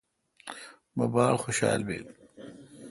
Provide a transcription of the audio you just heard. مہ باڑ خوشال بیل۔